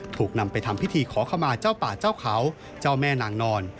ถูกนำไปทำพิธีขอขมาเจ้าป่าเจ้าเขาเจ้าแม่นางนอน